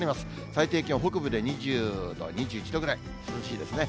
最低気温、北部で２０度、２１度ぐらい、涼しいですね。